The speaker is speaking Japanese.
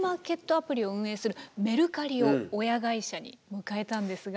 アプリを運営するメルカリを親会社に迎えたんですが。